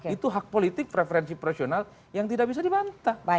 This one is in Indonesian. itu hak politik preferensi profesional yang tidak bisa dibantah